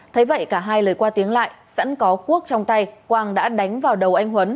thế vậy cả hai lời qua tiếng lại sẵn có cuốc trong tay quang đã đánh vào đầu anh huấn